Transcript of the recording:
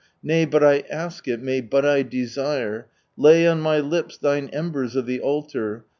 Nay but I ask it, nay bul I desire. Lay Btt my lips Thine embers of the altar.